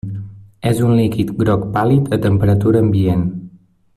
És un líquid groc pàl·lid a temperatura ambient.